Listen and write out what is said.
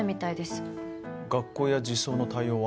学校や児相の対応は？